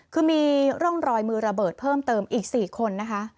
คือมีร่องรอยมือระเบิดเพิ่มเติมอีก๔คนนะคะ